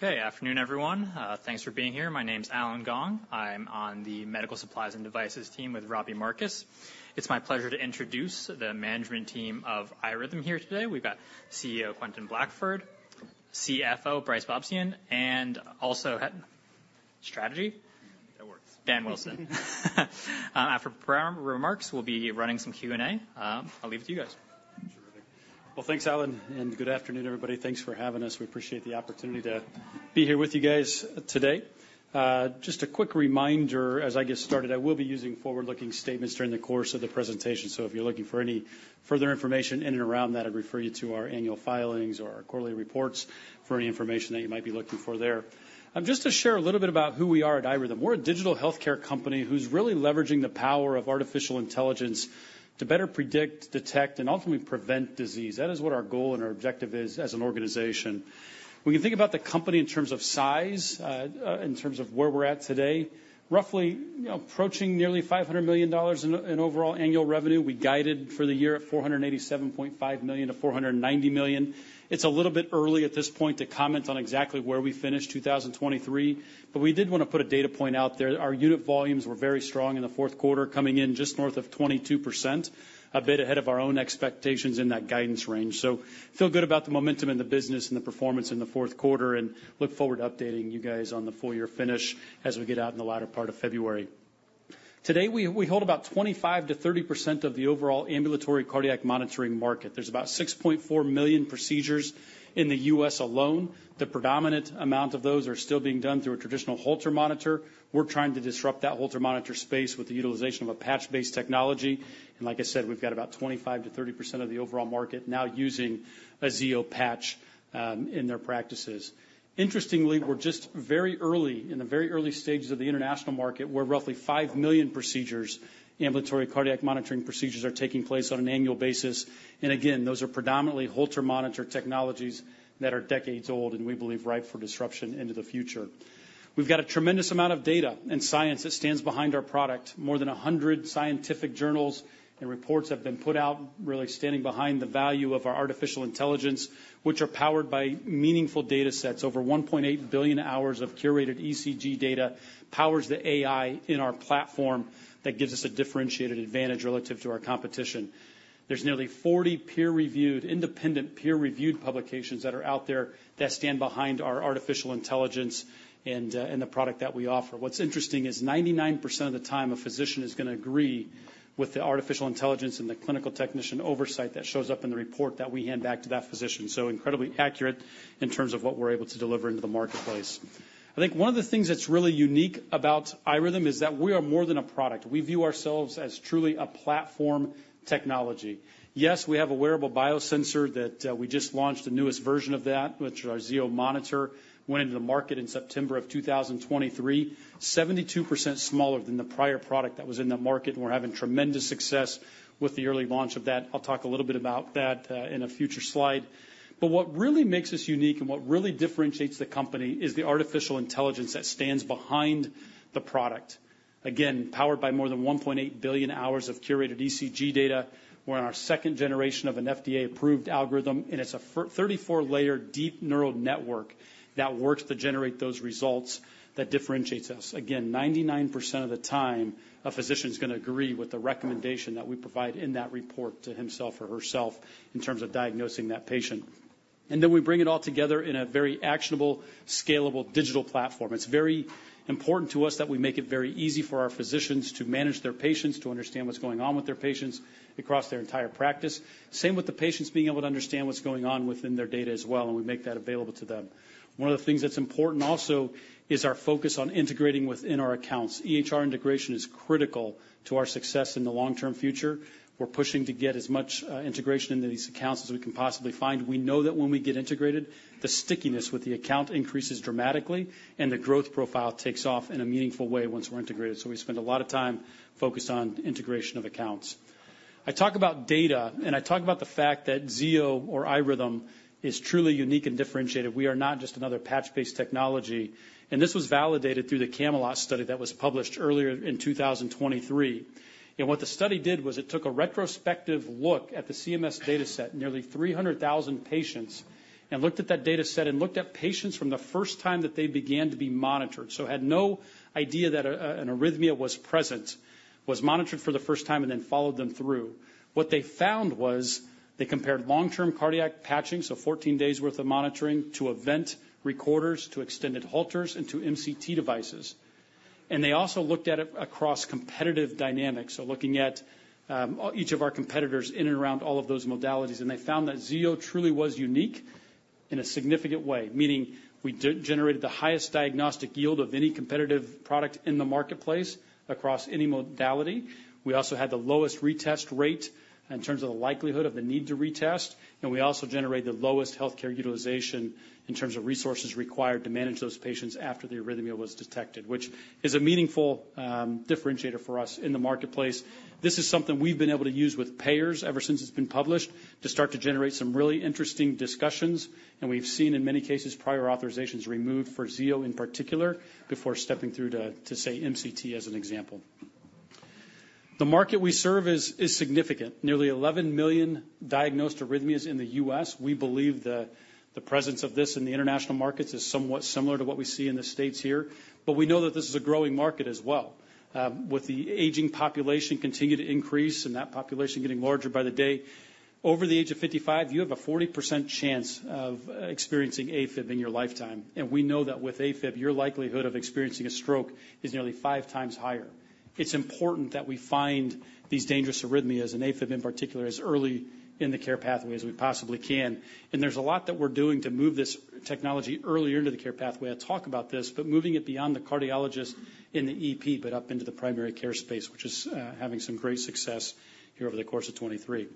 Okay, afternoon, everyone. Thanks for being here. My name's Alan Gong. I'm on the Medical Supplies and Devices team with Robbie Marcus. It's my pleasure to introduce the management team of iRhythm here today. We've got CEO, Quentin Blackford, CFO, Brice Bobzien, and also Head... Strategy? That works. Dan Wilson. After pre-remarks, we'll be running some Q&A. I'll leave it to you guys. Sure. Well, thanks, Alan, and good afternoon, everybody. Thanks for having us. We appreciate the opportunity to be here with you guys today. Just a quick reminder as I get started, I will be using forward-looking statements during the course of the presentation. So if you're looking for any further information in and around that, I'd refer you to our annual filings or our quarterly reports for any information that you might be looking for there. Just to share a little bit about who we are at iRhythm. We're a digital healthcare company who's really leveraging the power of artificial intelligence to better predict, detect, and ultimately prevent disease. That is what our goal and our objective is as an organization. When you think about the company in terms of size, in terms of where we're at today, roughly, you know, approaching nearly $500 million in overall annual revenue. We guided for the year at $487.5 million-$490 million. It's a little bit early at this point to comment on exactly where we finished 2023, but we did wanna put a data point out there. Our unit volumes were very strong in the fourth quarter, coming in just north of 22%, a bit ahead of our own expectations in that guidance range. So feel good about the momentum in the business and the performance in the fourth quarter, and look forward to updating you guys on the full year finish as we get out in the latter part of February. Today, we hold about 25%-30% of the overall ambulatory cardiac monitoring market. There's about 6.4 million procedures in the U.S. alone. The predominant amount of those are still being done through a traditional Holter monitor. We're trying to disrupt that Holter monitor space with the utilization of a patch-based technology. And like I said, we've got about 25%-30% of the overall market now using a Zio patch in their practices. Interestingly, we're just very early in the very early stages of the international market, where roughly 5 million procedures, ambulatory cardiac monitoring procedures, are taking place on an annual basis. And again, those are predominantly Holter monitor technologies that are decades old and we believe ripe for disruption into the future. We've got a tremendous amount of data and science that stands behind our product. More than 100 scientific journals and reports have been put out, really standing behind the value of our artificial intelligence, which are powered by meaningful data sets. Over 1.8 billion hours of curated ECG data powers the AI in our platform. That gives us a differentiated advantage relative to our competition. There's nearly 40 peer-reviewed... independent peer-reviewed publications that are out there that stand behind our artificial intelligence and, and the product that we offer. What's interesting is 99% of the time, a physician is gonna agree with the artificial intelligence and the clinical technician oversight that shows up in the report that we hand back to that physician. So incredibly accurate in terms of what we're able to deliver into the marketplace. I think one of the things that's really unique about iRhythm is that we are more than a product. We view ourselves as truly a platform technology. Yes, we have a wearable biosensor that we just launched the newest version of that, which our Zio Monitor went into the market in September 2023, 72% smaller than the prior product that was in the market, and we're having tremendous success with the early launch of that. I'll talk a little bit about that in a future slide. But what really makes us unique and what really differentiates the company is the artificial intelligence that stands behind the product. Again, powered by more than 1.8 billion hours of curated ECG data, we're on our second generation of an FDA-approved algorithm, and it's a thirty-four-layer deep neural network that works to generate those results that differentiates us. Again, 99% of the time, a physician's gonna agree with the recommendation that we provide in that report to himself or herself in terms of diagnosing that patient. And then we bring it all together in a very actionable, scalable digital platform. It's very important to us that we make it very easy for our physicians to manage their patients, to understand what's going on with their patients across their entire practice. Same with the patients being able to understand what's going on within their data as well, and we make that available to them. One of the things that's important also is our focus on integrating within our accounts. EHR integration is critical to our success in the long-term future. We're pushing to get as much integration into these accounts as we can possibly find. We know that when we get integrated, the stickiness with the account increases dramatically, and the growth profile takes off in a meaningful way once we're integrated. So we spend a lot of time focused on integration of accounts. I talk about data, and I talk about the fact that Zio or iRhythm is truly unique and differentiated. We are not just another patch-based technology, and this was validated through the CAMELOT study that was published earlier in 2023. And what the study did was it took a retrospective look at the CMS dataset, nearly 300,000 patients, and looked at that dataset and looked at patients from the first time that they began to be monitored. So had no idea that an arrhythmia was present, was monitored for the first time, and then followed them through. What they found was they compared long-term cardiac patching, so 14 days worth of monitoring, to event recorders, to extended Holters and to MCT devices. They also looked at it across competitive dynamics, so looking at each of our competitors in and around all of those modalities, and they found that Zio truly was unique in a significant way, meaning we generated the highest diagnostic yield of any competitive product in the marketplace across any modality. We also had the lowest retest rate in terms of the likelihood of the need to retest, and we also generated the lowest healthcare utilization in terms of resources required to manage those patients after the arrhythmia was detected, which is a meaningful differentiator for us in the marketplace. This is something we've been able to use with payers ever since it's been published, to start to generate some really interesting discussions. And we've seen, in many cases, prior authorizations removed for Zio in particular, before stepping through to say, MCT as an example... The market we serve is significant. Nearly 11 million diagnosed arrhythmias in the U.S. We believe that the presence of this in the international markets is somewhat similar to what we see in the States here, but we know that this is a growing market as well. With the aging population continue to increase and that population getting larger by the day, over the age of 55, you have a 40% chance of experiencing AFib in your lifetime. And we know that with AFib, your likelihood of experiencing a stroke is nearly five times higher. It's important that we find these dangerous arrhythmias and AFib in particular, as early in the care pathway as we possibly can. And there's a lot that we're doing to move this technology earlier into the care pathway. I'll talk about this, but moving it beyond the cardiologist in the EP, but up into the primary care space, which is having some great success here over the course of 2023.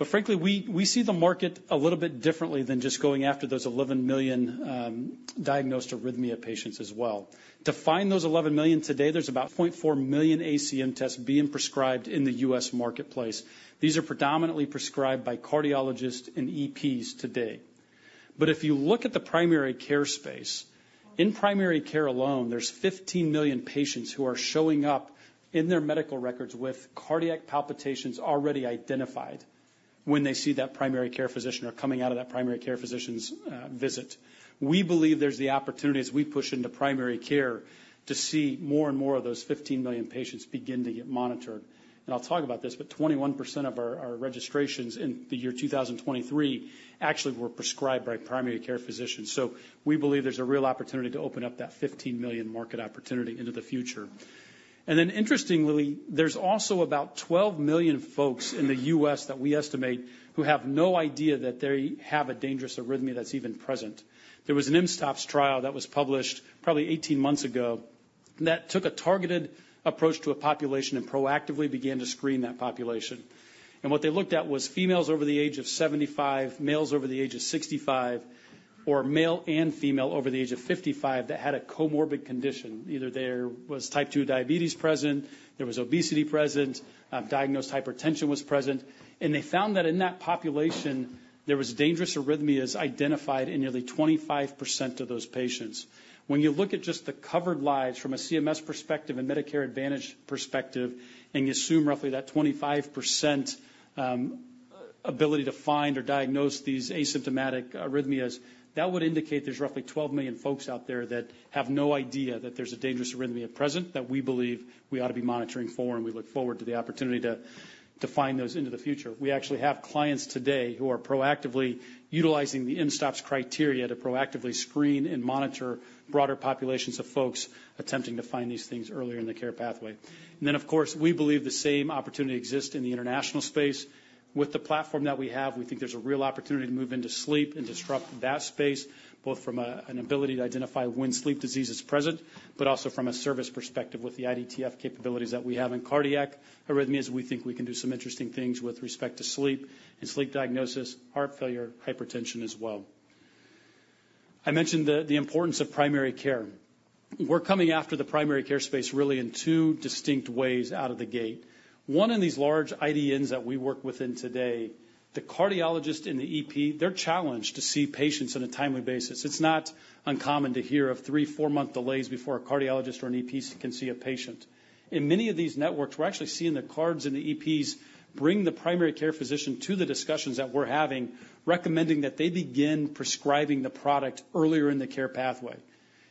But frankly, we, we see the market a little bit differently than just going after those 11 million diagnosed arrhythmia patients as well. To find those 11 million today, there's about 0.4 million ACM tests being prescribed in the U.S. marketplace. These are predominantly prescribed by cardiologists and EPs today. But if you look at the primary care space, in primary care alone, there's 15 million patients who are showing up in their medical records with cardiac palpitations already identified when they see that primary care physician or coming out of that primary care physician's visit. We believe there's the opportunity as we push into primary care, to see more and more of those 15 million patients begin to get monitored. And I'll talk about this, but 21% of our registrations in the year 2023 actually were prescribed by primary care physicians. So we believe there's a real opportunity to open up that 15 million market opportunity into the future. And then interestingly, there's also about 12 million folks in the U.S. that we estimate, who have no idea that they have a dangerous arrhythmia that's even present. There was an mSTOPS trial that was published probably 18 months ago, that took a targeted approach to a population and proactively began to screen that population. What they looked at was females over the age of 75, males over the age of 65, or male and female over the age of 55, that had a comorbid condition. Either there was type two diabetes present, there was obesity present, diagnosed hypertension was present, and they found that in that population, there was dangerous arrhythmias identified in nearly 25% of those patients. When you look at just the covered lives from a CMS perspective and Medicare Advantage perspective, and you assume roughly that 25% ability to find or diagnose these asymptomatic arrhythmias, that would indicate there's roughly 12 million folks out there that have no idea that there's a dangerous arrhythmia present that we believe we ought to be monitoring for, and we look forward to the opportunity to find those into the future. We actually have clients today who are proactively utilizing the mSTOPS criteria to proactively screen and monitor broader populations of folks attempting to find these things earlier in the care pathway. And then, of course, we believe the same opportunity exists in the international space. With the platform that we have, we think there's a real opportunity to move into sleep and disrupt that space, both from a, an ability to identify when sleep disease is present, but also from a service perspective with the IDTF capabilities that we have in cardiac arrhythmias. We think we can do some interesting things with respect to sleep and sleep diagnosis, heart failure, hypertension as well. I mentioned the importance of primary care. We're coming after the primary care space really in two distinct ways out of the gate. One, in these large IDNs that we work within today, the cardiologist and the EP, they're challenged to see patients on a timely basis. It's not uncommon to hear of 3-4-month delays before a cardiologist or an EP can see a patient. In many of these networks, we're actually seeing the cardiologists and the EPs bring the primary care physician to the discussions that we're having, recommending that they begin prescribing the product earlier in the care pathway.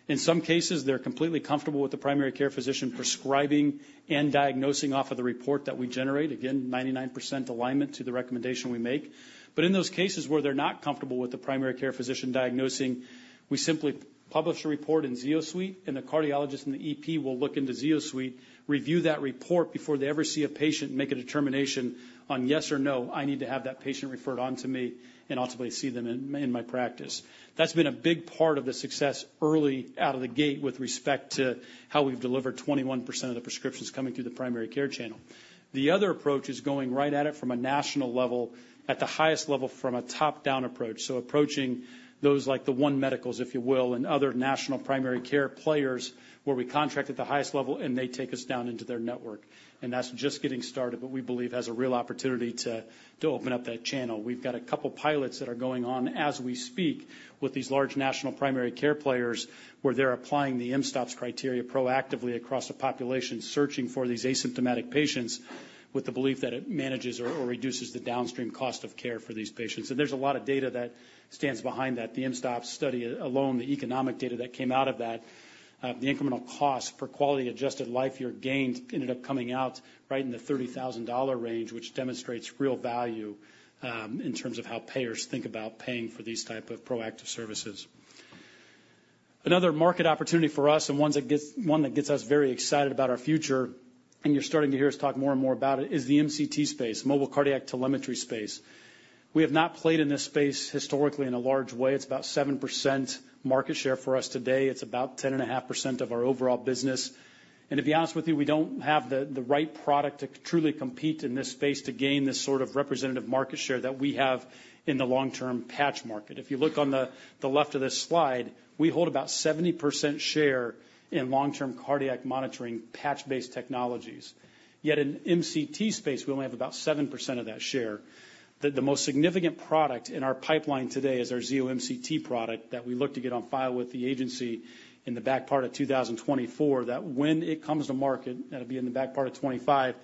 In some cases, they're completely comfortable with the primary care physician prescribing and diagnosing off of the report that we generate. Again, 99% alignment to the recommendation we make. But in those cases where they're not comfortable with the primary care physician diagnosing, we simply publish a report in Zio Suite, and the cardiologist and the EP will look into Zio Suite, review that report before they ever see a patient, and make a determination on yes or no, I need to have that patient referred on to me and ultimately see them in my practice. That's been a big part of the success early out of the gate with respect to how we've delivered 21% of the prescriptions coming through the primary care channel. The other approach is going right at it from a national level, at the highest level, from a top-down approach. So approaching those like the One Medicals, if you will, and other national primary care players, where we contract at the highest level and they take us down into their network. And that's just getting started, but we believe has a real opportunity to, to open up that channel. We've got a couple pilots that are going on as we speak, with these large national primary care players, where they're applying the mSTOPS criteria proactively across the population, searching for these asymptomatic patients with the belief that it manages or, or reduces the downstream cost of care for these patients. And there's a lot of data that stands behind that. The mSTOPS study alone, the economic data that came out of that, the incremental cost per quality-adjusted life year gained ended up coming out right in the $30,000 range, which demonstrates real value, in terms of how payers think about paying for these type of proactive services. Another market opportunity for us, one that gets us very excited about our future, and you're starting to hear us talk more and more about it, is the MCT space, mobile cardiac telemetry space. We have not played in this space historically in a large way. It's about 7% market share for us today. It's about 10.5% of our overall business. To be honest with you, we don't have the right product to truly compete in this space to gain this sort of representative market share that we have in the long-term patch market. If you look on the left of this slide, we hold about 70% share in long-term cardiac monitoring patch-based technologies. Yet in MCT space, we only have about 7% of that share. The most significant product in our pipeline today is our Zio MCT product that we look to get on file with the agency in the back part of 2024. That when it comes to market, that'll be in the back part of 2025,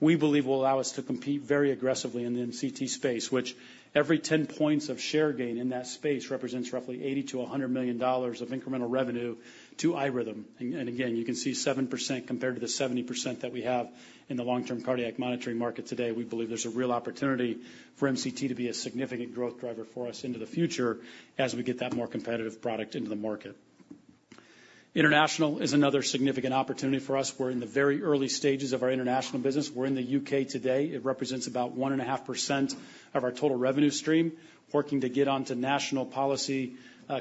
we believe will allow us to compete very aggressively in the MCT space, which every 10 points of share gain in that space represents roughly $80 million-$100 million of incremental revenue to iRhythm. And, and again, you can see 7% compared to the 70% that we have in the long-term cardiac monitoring market today. We believe there's a real opportunity for MCT to be a significant growth driver for us into the future as we get that more competitive product into the market. International is another significant opportunity for us. We're in the very early stages of our international business. We're in the UK today. It represents about 1.5% of our total revenue stream, working to get onto national policy,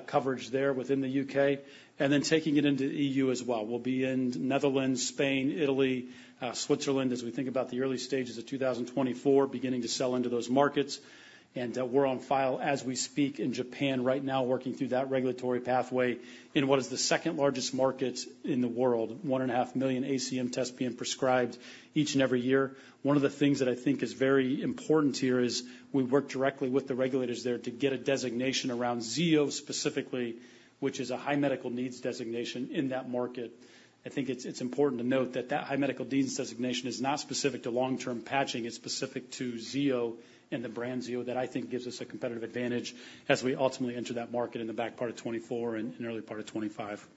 coverage there within the UK, and then taking it into the EU as well. We'll be in Netherlands, Spain, Italy, Switzerland, as we think about the early stages of 2024, beginning to sell into those markets. We're on file as we speak in Japan right now, working through that regulatory pathway in what is the second-largest market in the world, 1.5 million ACM tests being prescribed each and every year. One of the things that I think is very important here is we work directly with the regulators there to get a designation around Zio specifically, which is a High Medical Needs Designation in that market. I think it's important to note that High Medical Needs Designation is not specific to long-term patching. It's specific to Zio and the brand Zio, that I think gives us a competitive advantage as we ultimately enter that market in the back part of 2024 and early part of 2025.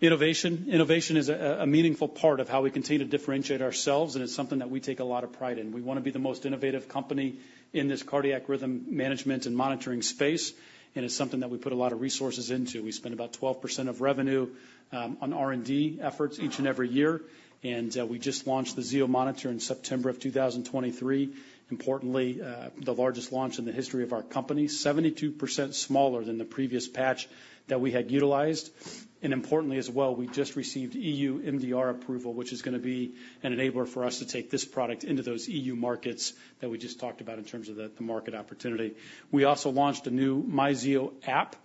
Innovation. Innovation is a meaningful part of how we continue to differentiate ourselves, and it's something that we take a lot of pride in. We wanna be the most innovative company in this cardiac rhythm management and monitoring space, and it's something that we put a lot of resources into. We spend about 12% of revenue on R&D efforts each and every year, and we just launched the Zio Monitor in September of 2023. Importantly, the largest launch in the history of our company, 72% smaller than the previous patch that we had utilized. Importantly, as well, we just received EU MDR approval, which is gonna be an enabler for us to take this product into those EU markets that we just talked about in terms of the market opportunity. We also launched a new myZio app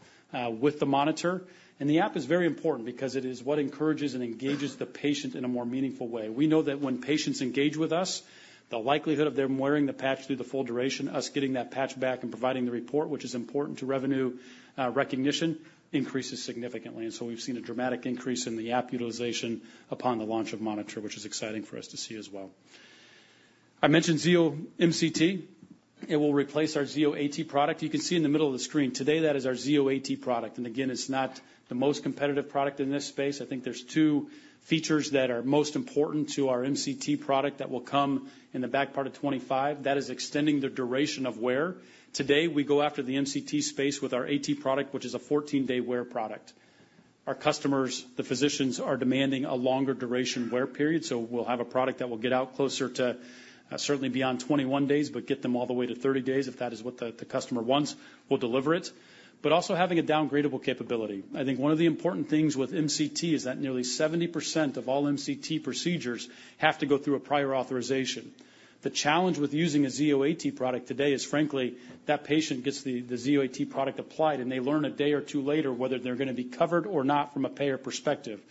with the monitor, and the app is very important because it is what encourages and engages the patient in a more meaningful way. We know that when patients engage with us, the likelihood of them wearing the patch through the full duration, us getting that patch back and providing the report, which is important to revenue recognition, increases significantly. So we've seen a dramatic increase in the app utilization upon the launch of monitor, which is exciting for us to see as well. I mentioned Zio MCT. It will replace our Zio AT product. You can see in the middle of the screen, today, that is our Zio AT product, and again, it's not the most competitive product in this space. I think there's two features that are most important to our MCT product that will come in the back part of 2025. That is extending the duration of wear. Today, we go after the MCT space with our AT product, which is a 14-day wear product. Our customers, the physicians, are demanding a longer duration wear period, so we'll have a product that will get out closer to certainly beyond 21 days, but get them all the way to 30 days, if that is what the customer wants, we'll deliver it. But also having a downgradable capability. I think one of the important things with MCT is that nearly 70% of all MCT procedures have to go through a prior authorization. The challenge with using a Zio AT product today is, frankly, that the patient gets the Zio AT product applied, and they learn a day or two later whether they're gonna be covered or not from a payer perspective.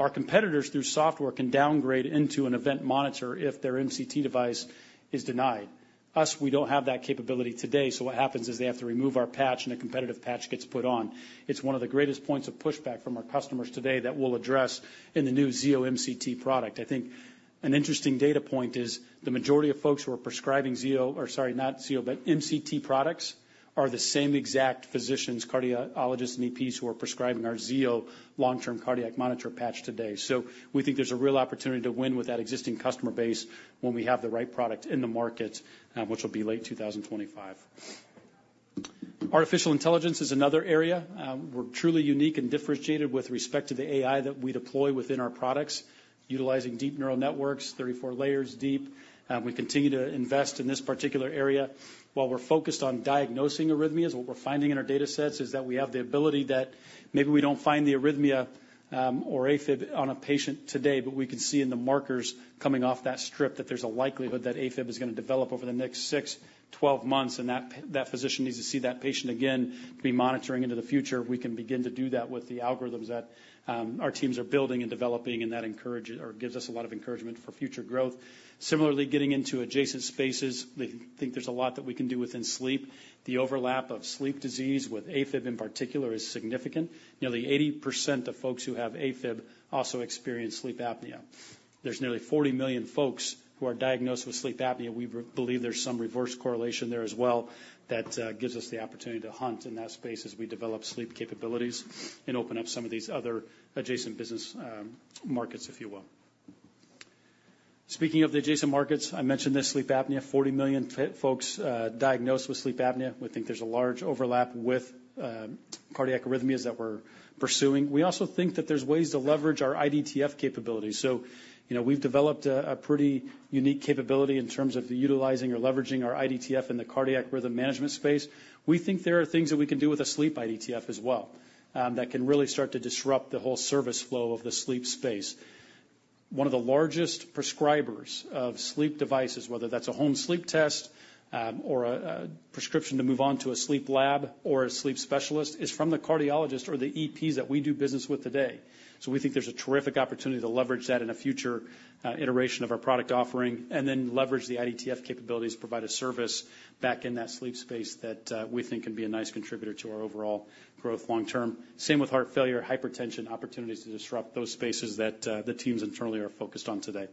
Our competitors, through software, can downgrade into an event monitor if their MCT device is denied. Us, we don't have that capability today, so what happens is they have to remove our patch, and a competitive patch gets put on. It's one of the greatest points of pushback from our customers today that we'll address in the new Zio MCT product. I think an interesting data point is the majority of folks who are prescribing Zio... Or sorry, not Zio, but MCT products, are the same exact physicians, cardiologists, and EPs, who are prescribing our Zio long-term cardiac monitor patch today. So we think there's a real opportunity to win with that existing customer base when we have the right product in the market, which will be late 2025. Artificial intelligence is another area. We're truly unique and differentiated with respect to the AI that we deploy within our products, utilizing deep neural networks, 34 layers deep. We continue to invest in this particular area. While we're focused on diagnosing arrhythmias, what we're finding in our data sets is that we have the ability that maybe we don't find the arrhythmia, or AFib on a patient today, but we can see in the markers coming off that strip that there's a likelihood that AFib is gonna develop over the next 6-12 months, and that physician needs to see that patient again to be monitoring into the future. We can begin to do that with the algorithms that, our teams are building and developing, and that encourages or gives us a lot of encouragement for future growth. Similarly, getting into adjacent spaces, we think there's a lot that we can do within sleep. The overlap of sleep disease with AFib, in particular, is significant. Nearly 80% of folks who have AFib also experience sleep apnea. There's nearly 40 million folks who are diagnosed with sleep apnea. We believe there's some reverse correlation there as well that gives us the opportunity to hunt in that space as we develop sleep capabilities and open up some of these other adjacent business markets, if you will. Speaking of the adjacent markets, I mentioned the sleep apnea, 40 million folks diagnosed with sleep apnea. We think there's a large overlap with cardiac arrhythmias that we're pursuing. We also think that there's ways to leverage our IDTF capabilities. So, you know, we've developed a pretty unique capability in terms of utilizing or leveraging our IDTF in the cardiac rhythm management space. We think there are things that we can do with a sleep IDTF as well, that can really start to disrupt the whole service flow of the sleep space. One of the largest prescribers of sleep devices, whether that's a home sleep test, or a prescription to move on to a sleep lab or a sleep specialist, is from the cardiologist or the EPs that we do business with today. So we think there's a terrific opportunity to leverage that in a future iteration of our product offering, and then leverage the IDTF capabilities to provide a service back in that sleep space that we think can be a nice contributor to our overall growth long term. Same with heart failure, hypertension, opportunities to disrupt those spaces that the teams internally are focused on today....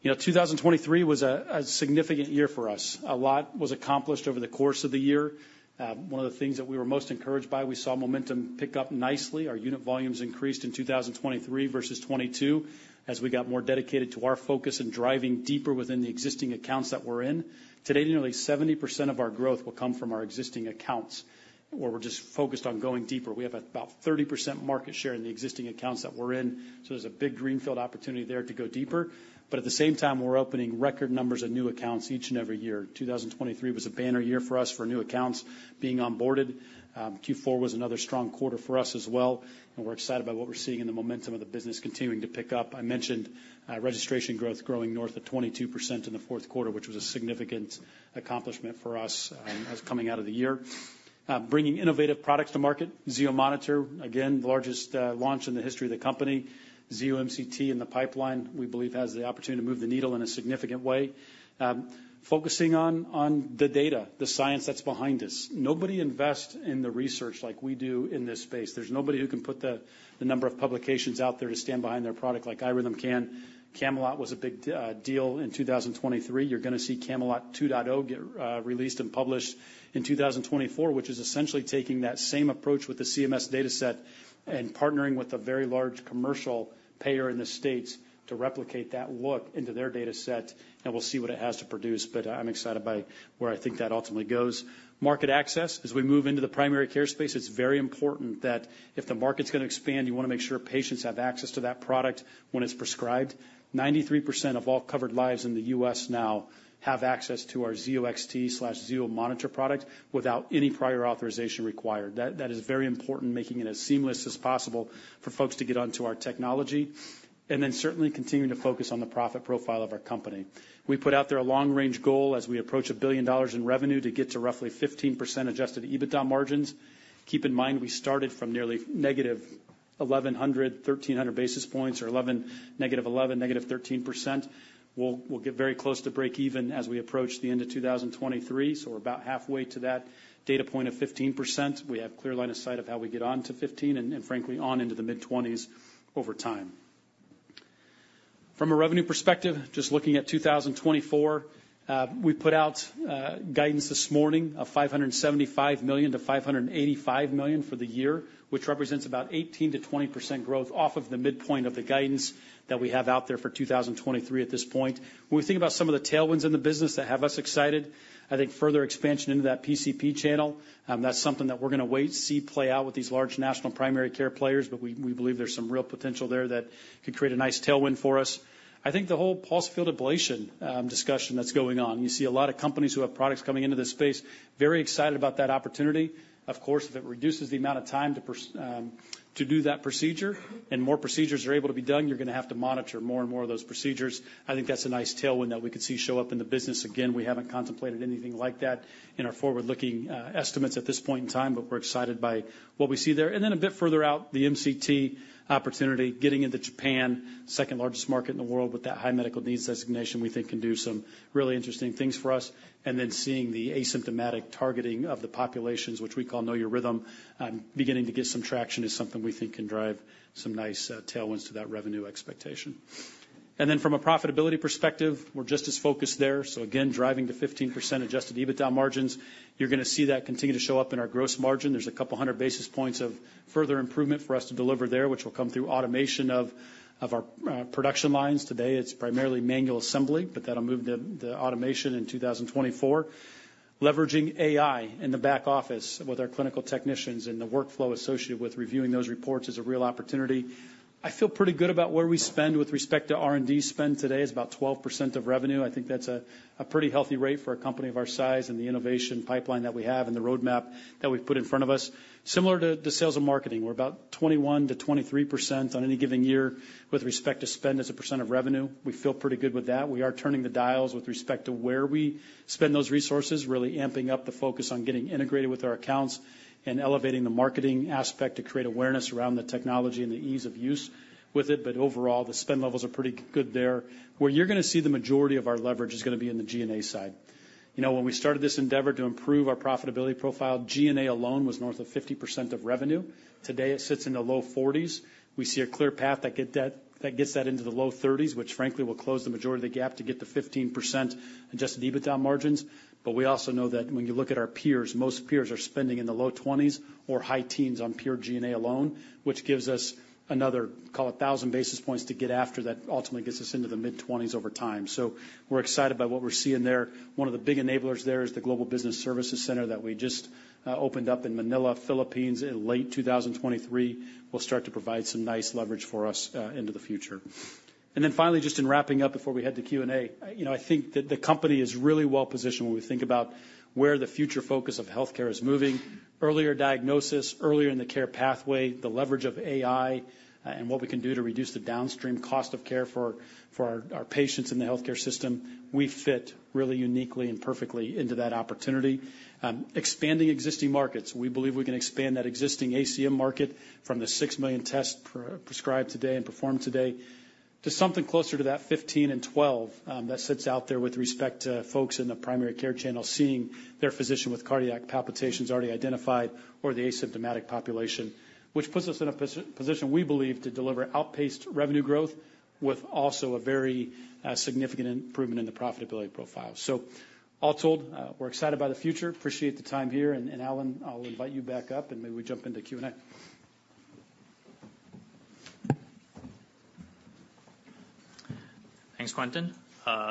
You know, 2023 was a significant year for us. A lot was accomplished over the course of the year. One of the things that we were most encouraged by, we saw momentum pick up nicely. Our unit volumes increased in 2023 versus 2022, as we got more dedicated to our focus in driving deeper within the existing accounts that we're in. Today, nearly 70% of our growth will come from our existing accounts, where we're just focused on going deeper. We have about 30% market share in the existing accounts that we're in, so there's a big greenfield opportunity there to go deeper. But at the same time, we're opening record numbers of new accounts each and every year. 2023 was a banner year for us for new accounts being onboarded. Q4 was another strong quarter for us as well, and we're excited about what we're seeing in the momentum of the business continuing to pick up. I mentioned, registration growth growing north of 22% in the fourth quarter, which was a significant accomplishment for us, as coming out of the year. Bringing innovative products to market, Zio Monitor, again, the largest launch in the history of the company. Zio MCT in the pipeline, we believe, has the opportunity to move the needle in a significant way. Focusing on, on the data, the science that's behind this. Nobody invest in the research like we do in this space. There's nobody who can put the number of publications out there to stand behind their product like iRhythm can. CAMELOT was a big deal in 2023. You're gonna see CAMELOT 2.0 get released and published in 2024, which is essentially taking that same approach with the CMS data set and partnering with a very large commercial payer in the States to replicate that look into their data set, and we'll see what it has to produce. But I'm excited by where I think that ultimately goes. Market access. As we move into the primary care space, it's very important that if the market's gonna expand, you wanna make sure patients have access to that product when it's prescribed. 93% of all covered lives in the U.S. now have access to our Zio XT/Zio Monitor product without any prior authorization required. That, that is very important, making it as seamless as possible for folks to get onto our technology, and then certainly continuing to focus on the profit profile of our company. We put out there a long-range goal as we approach $1 billion in revenue to get to roughly 15% adjusted EBITDA margins. Keep in mind, we started from nearly negative 1,100, 1,300 basis points, or 11... negative 11, negative 13%. We'll, we'll get very close to break even as we approach the end of 2023, so we're about halfway to that data point of 15%. We have clear line of sight of how we get on to 15% and, and frankly, on into the mid-20s over time. From a revenue perspective, just looking at 2024, we put out guidance this morning of $575 million-$585 million for the year, which represents about 18%-20% growth off of the midpoint of the guidance that we have out there for 2023 at this point. When we think about some of the tailwinds in the business that have us excited, I think further expansion into that PCP channel, that's something that we're going to wait, see, play out with these large national primary care players, but we, we believe there's some real potential there that could create a nice tailwind for us. I think the whole pulsed field ablation discussion that's going on, you see a lot of companies who have products coming into this space, very excited about that opportunity. Of course, if it reduces the amount of time to do that procedure, and more procedures are able to be done, you're going to have to monitor more and more of those procedures. I think that's a nice tailwind that we could see show up in the business. Again, we haven't contemplated anything like that in our forward-looking estimates at this point in time, but we're excited by what we see there. And then a bit further out, the MCT opportunity, getting into Japan, second largest market in the world, with that High Medical Needs Designation, we think can do some really interesting things for us. And then seeing the asymptomatic targeting of the populations, which we call Know Your Rhythm, beginning to get some traction, is something we think can drive some nice tailwinds to that revenue expectation. Then from a profitability perspective, we're just as focused there. So again, driving to 15% adjusted EBITDA margins, you're going to see that continue to show up in our gross margin. There's a couple hundred basis points of further improvement for us to deliver there, which will come through automation of our production lines. Today, it's primarily manual assembly, but that'll move to the automation in 2024. Leveraging AI in the back office with our clinical technicians and the workflow associated with reviewing those reports is a real opportunity. I feel pretty good about where we spend with respect to R&D spend today is about 12% of revenue. I think that's a pretty healthy rate for a company of our size and the innovation pipeline that we have and the roadmap that we've put in front of us. Similar to the sales and marketing, we're about 21%-23% on any given year with respect to spend as a percent of revenue. We feel pretty good with that. We are turning the dials with respect to where we spend those resources, really amping up the focus on getting integrated with our accounts and elevating the marketing aspect to create awareness around the technology and the ease of use with it. But overall, the spend levels are pretty good there. Where you're gonna see the majority of our leverage is gonna be in the G&A side. You know, when we started this endeavor to improve our profitability profile, G&A alone was north of 50% of revenue. Today, it sits in the low 40s. We see a clear path that gets that into the low 30s, which frankly, will close the majority of the gap to get to 15% adjusted EBITDA margins. But we also know that when you look at our peers, most peers are spending in the low 20s or high teens on pure G&A alone, which gives us another, call it, 1,000 basis points to get after that ultimately gets us into the mid-20s over time. So we're excited by what we're seeing there. One of the big enablers there is the Global Business Services Center that we just opened up in Manila, Philippines, in late 2023, will start to provide some nice leverage for us into the future. Then finally, just in wrapping up before we head to Q&A, you know, I think that the company is really well positioned when we think about where the future focus of healthcare is moving. Earlier diagnosis, earlier in the care pathway, the leverage of AI, and what we can do to reduce the downstream cost of care for our patients in the healthcare system. We fit really uniquely and perfectly into that opportunity. Expanding existing markets, we believe we can expand that existing ACM market from the 6 million tests prescribed today and performed today. to something closer to that 15 and 12, that sits out there with respect to folks in the primary care channel, seeing their physician with cardiac palpitations already identified or the asymptomatic population, which puts us in a position, we believe, to deliver outpaced revenue growth with also a very, significant improvement in the profitability profile. So all told, we're excited about the future. Appreciate the time here, and Alan, I'll invite you back up, and maybe we jump into Q&A. Thanks, Quentin.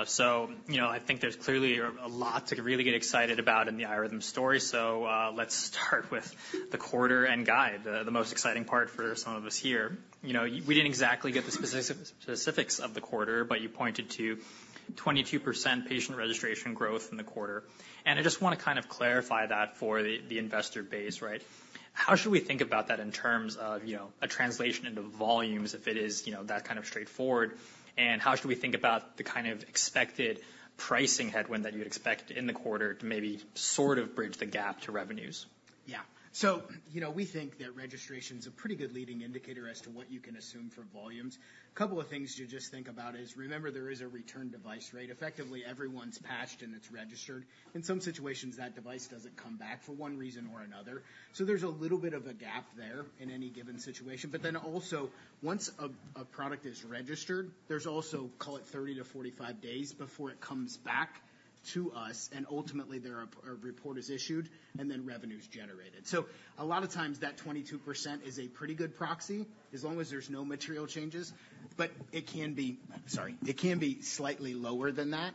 So, you know, I think there's clearly a lot to really get excited about in the iRhythm story. So, let's start with the quarter and guide, the most exciting part for some of us here. You know, we didn't exactly get the specifics of the quarter, but you pointed to 22% patient registration growth in the quarter, and I just wanna kind of clarify that for the investor base, right? How should we think about that in terms of, you know, a translation into volumes, if it is, you know, that kind of straightforward, and how should we think about the kind of expected pricing headwind that you'd expect in the quarter to maybe sort of bridge the gap to revenues? Yeah. So, you know, we think that registration's a pretty good leading indicator as to what you can assume for volumes. A couple of things to just think about is, remember, there is a return device rate. Effectively, everyone's patched, and it's registered. In some situations, that device doesn't come back for one reason or another. So there's a little bit of a gap there in any given situation, but then also, once a product is registered, there's also, call it 30-45 days before it comes back to us, and ultimately, a report is issued, and then revenue is generated. So a lot of times that 22% is a pretty good proxy, as long as there's no material changes. But it can be... Sorry. It can be slightly lower than that,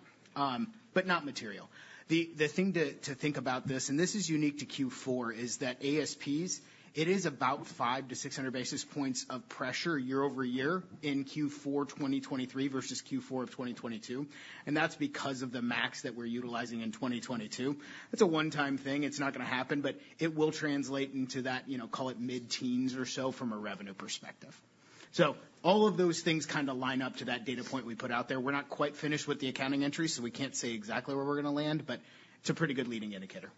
but not material. The thing to think about this, and this is unique to Q4, is that ASPs. It is about 500 basis points-600 basis points of pressure year-over-year in Q4 2023 versus Q4 of 2022, and that's because of the MACs that we're utilizing in 2022. It's a one-time thing. It's not gonna happen, but it will translate into that, you know, call it mid-teens or so from a revenue perspective. So all of those things kind of line up to that data point we put out there. We're not quite finished with the accounting entry, so we can't say exactly where we're gonna land, but it's a pretty good leading indicator.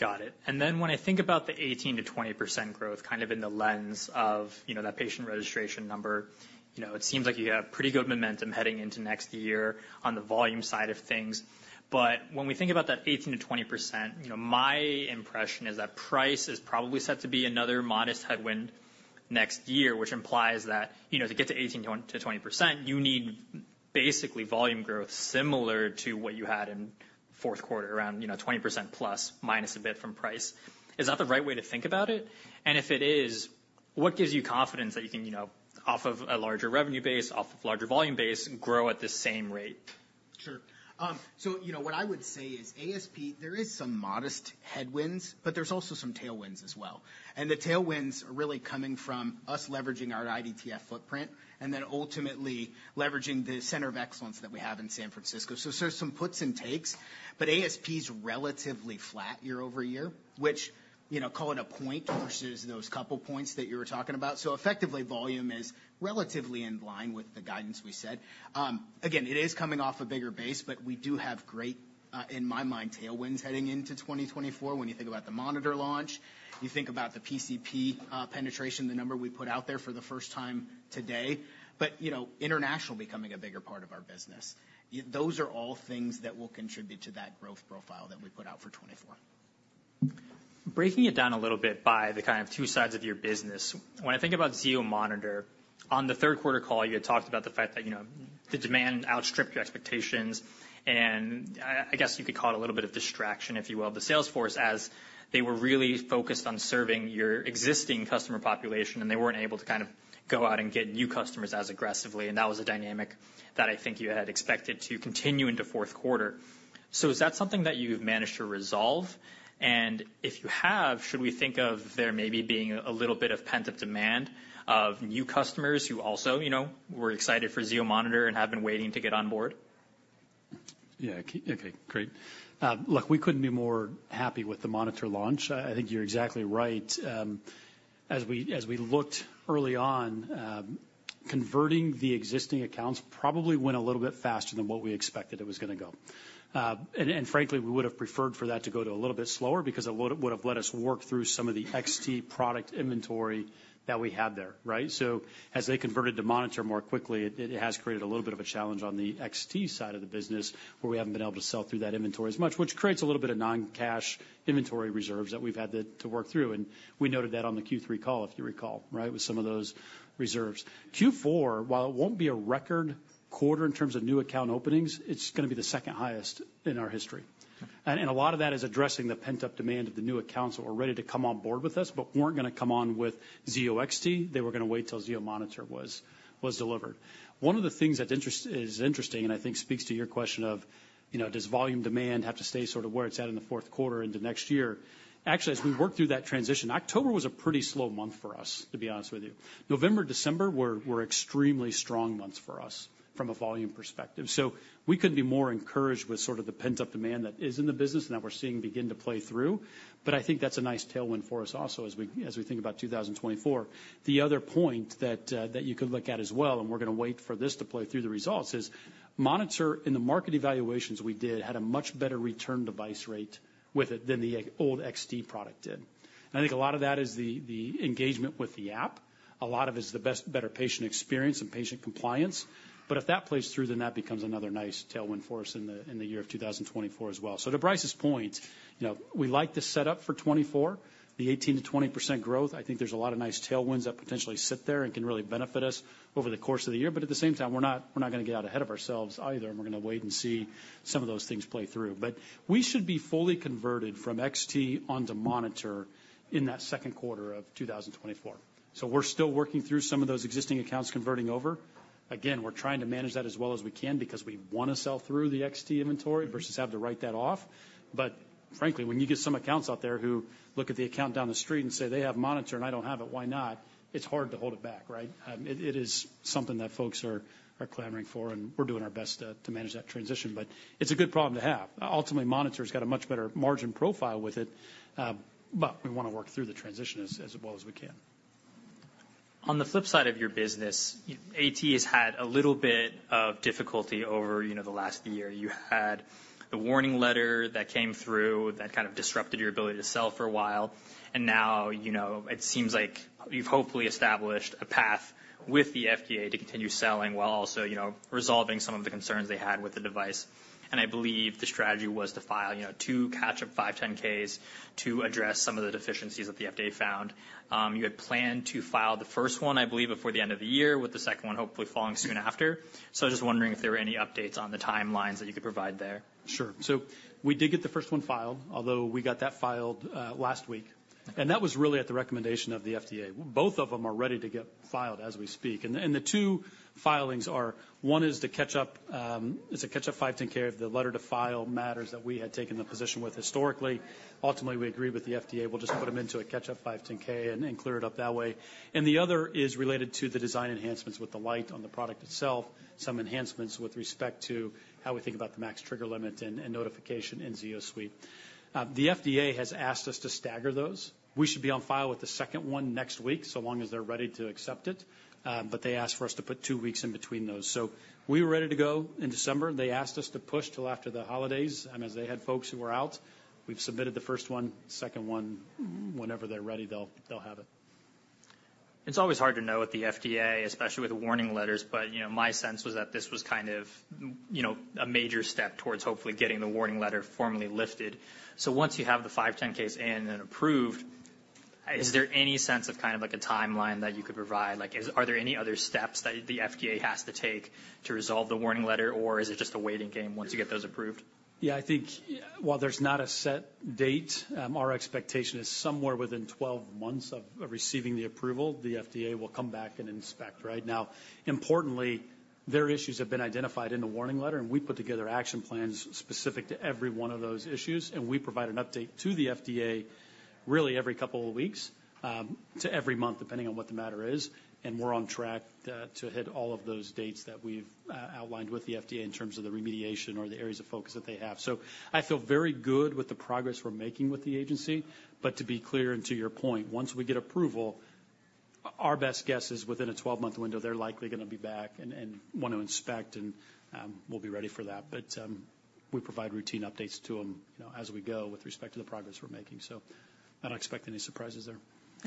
Got it. Then when I think about the 18%-20% growth, kind of in the lens of, you know, that patient registration number, you know, it seems like you have pretty good momentum heading into next year on the volume side of things. But when we think about that 18%-20%, you know, my impression is that price is probably set to be another modest headwind next year, which implies that, you know, to get to 18%-20%, you need basically volume growth similar to what you had in fourth quarter, around, you know, 20%± a bit from price. Is that the right way to think about it? And if it is, what gives you confidence that you can, you know, off of a larger revenue base, off of larger volume base, grow at the same rate? Sure. So you know, what I would say is ASP, there is some modest headwinds, but there's also some tailwinds as well, and the tailwinds are really coming from us leveraging our IDTF footprint and then ultimately leveraging the center of excellence that we have in San Francisco. So, so some puts and takes, but ASP is relatively flat year-over-year, which, you know, call it a point versus those couple points that you were talking about. So effectively, volume is relatively in line with the guidance we set. Again, it is coming off a bigger base, but we do have great, in my mind, tailwinds heading into 2024, when you think about the monitor launch, you think about the PCP penetration, the number we put out there for the first time today, but, you know, international becoming a bigger part of our business. Those are all things that will contribute to that growth profile that we put out for 2024. Breaking it down a little bit by the kind of two sides of your business, when I think about Zio Monitor, on the third quarter call, you had talked about the fact that, you know, the demand outstripped your expectations, and, I guess you could call it a little bit of distraction, if you will, of the sales force, as they were really focused on serving your existing customer population, and they weren't able to kind of go out and get new customers as aggressively, and that was a dynamic that I think you had expected to continue into fourth quarter. So is that something that you've managed to resolve? And if you have, should we think of there maybe being a little bit of pent-up demand of new customers who also, you know, were excited for Zio Monitor and have been waiting to get on board? Yeah. Okay, great. Look, we couldn't be more happy with the monitor launch. I think you're exactly right. As we looked early on, converting the existing accounts probably went a little bit faster than what we expected it was gonna go. And frankly, we would have preferred for that to go a little bit slower because it would have let us work through some of the XT product inventory that we had there, right? So as they converted to monitor more quickly, it has created a little bit of a challenge on the XT side of the business, where we haven't been able to sell through that inventory as much, which creates a little bit of non-cash inventory reserves that we've had to work through, and we noted that on the Q3 call, if you recall, right, with some of those reserves. Q4, while it won't be a record quarter in terms of new account openings, it's gonna be the second highest in our history. And a lot of that is addressing the pent-up demand of the new accounts that were ready to come on board with us, but weren't gonna come on with Zio XT. They were gonna wait till Zio Monitor was delivered. One of the things that is interesting, and I think speaks to your question of, you know, does volume demand have to stay sort of where it's at in the fourth quarter into next year? Actually, as we worked through that transition, October was a pretty slow month for us, to be honest with you. November, December were extremely strong months for us from a volume perspective. So we couldn't be more encouraged with sort of the pent-up demand that is in the business and that we're seeing begin to play through, but I think that's a nice tailwind for us also, as we think about 2024. The other point that that you could look at as well, and we're gonna wait for this to play through the results, is monitor, in the market evaluations we did, had a much better return device rate with it than the old XT product did. And I think a lot of that is the engagement with the app. A lot of it is the better patient experience and patient compliance, but if that plays through, then that becomes another nice tailwind for us in the year of 2024 as well. So to Brice's point, you know, we like the setup for 2024, the 18%-20% growth. I think there's a lot of nice tailwinds that potentially sit there and can really benefit us over the course of the year, but at the same time, we're not gonna get out ahead of ourselves either, and we're gonna wait and see some of those things play through. But we should be fully converted from XT onto Monitor in that second quarter of 2024. So we're still working through some of those existing accounts, converting over... again, we're trying to manage that as well as we can because we wanna sell through the XT inventory versus have to write that off. But frankly, when you get some accounts out there who look at the account down the street and say, "They have Monitor, and I don't have it, why not?" It's hard to hold it back, right? It is something that folks are clamoring for, and we're doing our best to manage that transition, but it's a good problem to have. Ultimately, monitor's got a much better margin profile with it, but we wanna work through the transition as well as we can. On the flip side of your business, AT has had a little bit of difficulty over, you know, the last year. You had the warning letter that came through that kind of disrupted your ability to sell for a while, and now, you know, it seems like you've hopefully established a path with the FDA to continue selling while also, you know, resolving some of the concerns they had with the device. And I believe the strategy was to file, you know, two catch-up 510(k)s to address some of the deficiencies that the FDA found. You had planned to file the first one, I believe, before the end of the year, with the second one hopefully following soon after. So I was just wondering if there were any updates on the timelines that you could provide there. Sure. So we did get the first one filed, although we got that filed last week, and that was really at the recommendation of the FDA. Both of them are ready to get filed as we speak. And the two filings are: one is the catch-up 510(k) of the Letter to File matters that we had taken the position with historically. Ultimately, we agreed with the FDA. We'll just put them into a catch-up 510(k) and clear it up that way. And the other is related to the design enhancements with the light on the product itself, some enhancements with respect to how we think about the MACs trigger limit and notification in Zio Suite. The FDA has asked us to stagger those. We should be on file with the second one next week, so long as they're ready to accept it, but they asked for us to put two weeks in between those. We were ready to go in December. They asked us to push till after the holidays, as they had folks who were out. We've submitted the first one, second one, whenever they're ready, they'll, they'll have it. It's always hard to know with the FDA, especially with warning letters, but, you know, my sense was that this was kind of, you know, a major step towards hopefully getting the warning letter formally lifted. So once you have the filed 510(k)s in and approved, is there any sense of kind of like a timeline that you could provide? Like, is... Are there any other steps that the FDA has to take to resolve the warning letter, or is it just a waiting game once you get those approved? Yeah, I think while there's not a set date, our expectation is somewhere within 12 months of receiving the approval, the FDA will come back and inspect, right? Now, importantly, their issues have been identified in the warning letter, and we put together action plans specific to every one of those issues, and we provide an update to the FDA, really, every couple of weeks to every month, depending on what the matter is, and we're on track to hit all of those dates that we've outlined with the FDA in terms of the remediation or the areas of focus that they have. So I feel very good with the progress we're making with the agency. But to be clear, and to your point, once we get approval, our best guess is within a 12-month window, they're likely gonna be back and want to inspect and we'll be ready for that. But we provide routine updates to them, you know, as we go with respect to the progress we're making, so I don't expect any surprises there.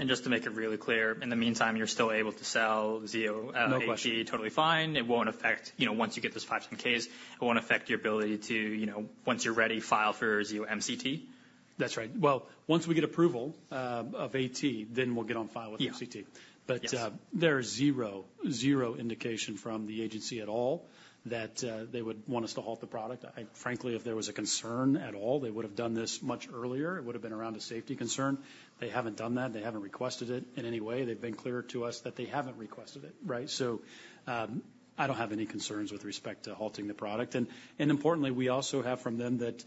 Just to make it really clear, in the meantime, you're still able to sell Zio- No question. Zio AT, totally fine. It won't affect, you know, once you get those filed 510(k)s, it won't affect your ability to, you know, once you're ready, file for Zio MCT? That's right. Well, once we get approval of AT, then we'll get on file with MCT. Yeah. Yes. But there is zero, zero indication from the agency at all that they would want us to halt the product. Frankly, if there was a concern at all, they would have done this much earlier. It would've been around a safety concern. They haven't done that. They haven't requested it in any way. They've been clear to us that they haven't requested it, right? So I don't have any concerns with respect to halting the product. And importantly, we also have from them that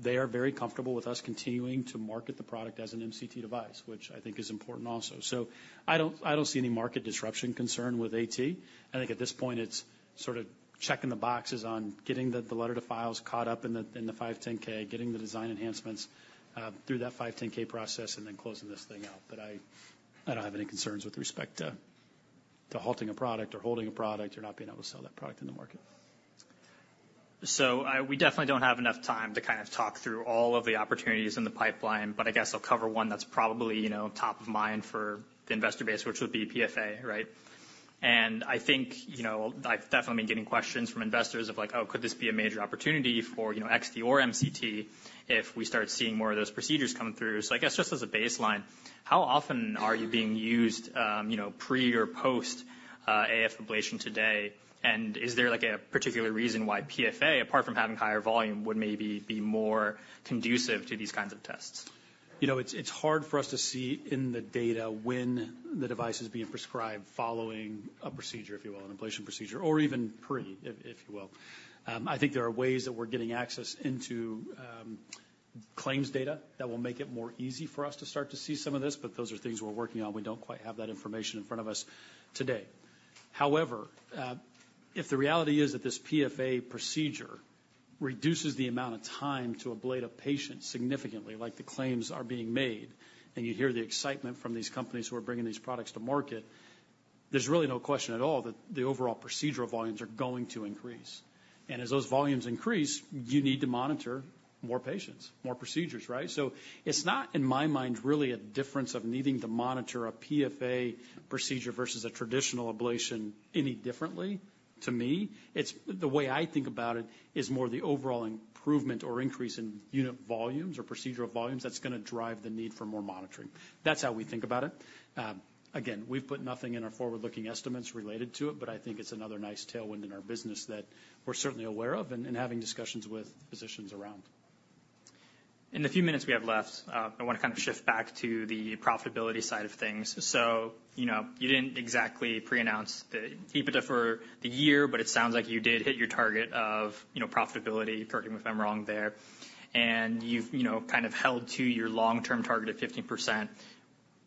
they are very comfortable with us continuing to market the product as an MCT device, which I think is important also. So I don't see any market disruption concern with AT. I think at this point, it's sort of checking the boxes on getting the Letter to File caught up in the 510(k), getting the design enhancements through that 510(k) process, and then closing this thing out. But I don't have any concerns with respect to halting a product or holding a product or not being able to sell that product in the market. So, we definitely don't have enough time to kind of talk through all of the opportunities in the pipeline, but I guess I'll cover one that's probably, you know, top of mind for the investor base, which would be PFA, right? And I think, you know, I've definitely been getting questions from investors of like, "Oh, could this be a major opportunity for, you know, XT or MCT if we start seeing more of those procedures coming through?" So I guess, just as a baseline, how often are you being used, you know, pre or post, AF ablation today? And is there, like, a particular reason why PFA, apart from having higher volume, would maybe be more conducive to these kinds of tests? You know, it's hard for us to see in the data when the device is being prescribed following a procedure, if you will, an ablation procedure, or even pre, if you will. I think there are ways that we're getting access into claims data that will make it more easy for us to start to see some of this, but those are things we're working on. We don't quite have that information in front of us today. However, if the reality is that this PFA procedure reduces the amount of time to ablate a patient significantly, like the claims are being made, and you hear the excitement from these companies who are bringing these products to market, there's really no question at all that the overall procedural volumes are going to increase. As those volumes increase, you need to monitor more patients, more procedures, right? It's not, in my mind, really a difference of needing to monitor a PFA procedure versus a traditional ablation any differently. To me, it's... The way I think about it is more the overall improvement or increase in unit volumes or procedural volumes that's gonna drive the need for more monitoring. That's how we think about it. Again, we've put nothing in our forward-looking estimates related to it, but I think it's another nice tailwind in our business that we're certainly aware of and, and having discussions with physicians around.... In the few minutes we have left, I want to kind of shift back to the profitability side of things. So, you know, you didn't exactly preannounce the EBITDA for the year, but it sounds like you did hit your target of, you know, profitability, correct me if I'm wrong there. And you've, you know, kind of held to your long-term target of 15%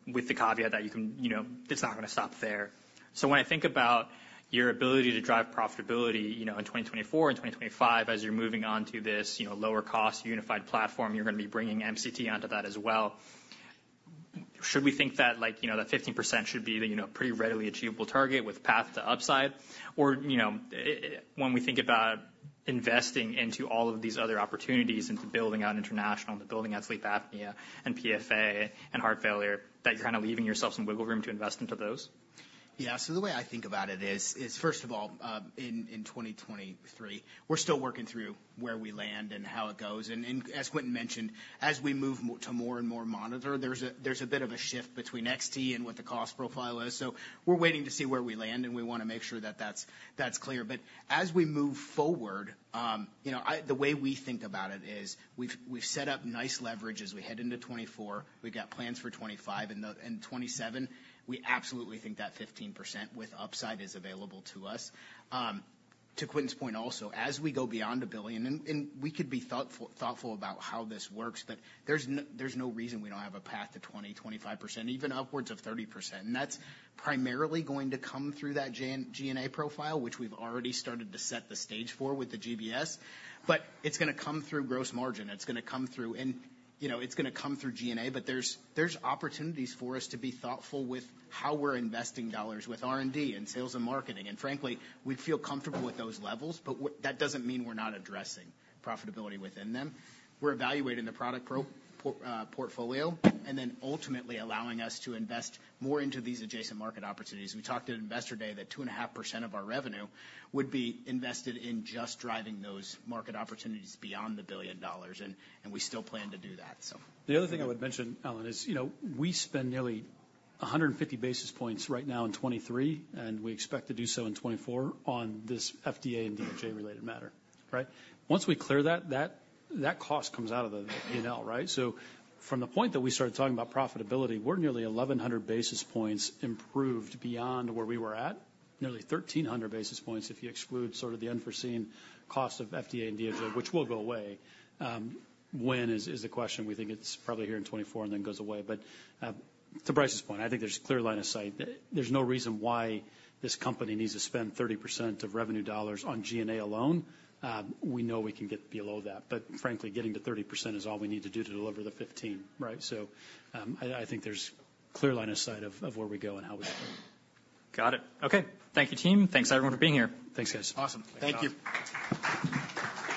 with the caveat that you can, you know, it's not going to stop there. So when I think about your ability to drive profitability, you know, in 2024 and 2025, as you're moving on to this, you know, lower cost, unified platform, you're going to be bringing MCT onto that as well. Should we think that, like, you know, that 15% should be the, you know, pretty readily achievable target with path to upside? Or, you know, when we think about investing into all of these other opportunities, into building out international, into building out sleep apnea and PFA and heart failure, that you're kind of leaving yourself some wiggle room to invest into those? Yeah. So the way I think about it is, first of all, in 2023, we're still working through where we land and how it goes. And as Quentin mentioned, as we move to more and more monitor, there's a bit of a shift between XT and what the cost profile is. So we're waiting to see where we land, and we want to make sure that that's clear. But as we move forward, you know, I... The way we think about it is, we've set up nice leverage as we head into 2024. We've got plans for 2025 and 2027. We absolutely think that 15%, with upside, is available to us. To Quentin's point also, as we go beyond $1 billion, we could be thoughtful about how this works, but there's no reason we don't have a path to 20%-25%, even upwards of 30%. And that's primarily going to come through that SG&A profile, which we've already started to set the stage for with the GBS. But it's going to come through gross margin, it's going to come through and, you know, it's going to come through SG&A, but there's opportunities for us to be thoughtful with how we're investing dollars with R&D and sales and marketing. And frankly, we feel comfortable with those levels, but that doesn't mean we're not addressing profitability within them. We're evaluating the product portfolio, and then ultimately allowing us to invest more into these adjacent market opportunities. We talked at Investor Day that 2.5% of our revenue would be invested in just driving those market opportunities beyond $1 billion, and we still plan to do that, so. The other thing I would mention, Alan, is, you know, we spend nearly 150 basis points right now in 2023, and we expect to do so in 2024 on this FDA and DOJ related matter, right? Once we clear that, that cost comes out of the P&L, right? So from the point that we started talking about profitability, we're nearly 1,100 basis points improved beyond where we were at. Nearly 1,300 basis points, if you exclude sort of the unforeseen cost of FDA and DOJ, which will go away. When is the question. We think it's probably here in 2024 and then goes away. But to Brice's point, I think there's a clear line of sight. There's no reason why this company needs to spend 30% of revenue dollars on G&A alone. We know we can get below that, but frankly, getting to 30% is all we need to do to deliver the 15, right? So, I think there's clear line of sight of where we go and how we go. Got it. Okay. Thank you, team. Thanks, everyone, for being here. Thanks, guys. Awesome. Thank you.